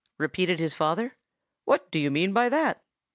repeated his father. 'What do you mean by that?